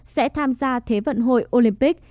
sẽ tham gia thế vận hội olympic